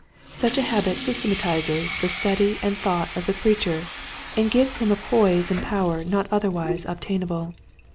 Such a habit systematizes the study and thought of the preacher and gives him a poise and power not otherwise obtainable.